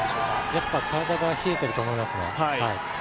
やはり体が冷えていると思いますね。